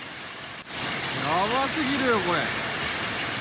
やばすぎるよ、これ。